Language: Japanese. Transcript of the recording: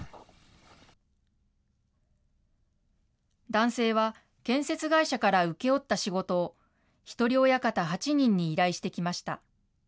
男性は、建設会社から請け負った仕事を、一人親方８人に依頼してきました。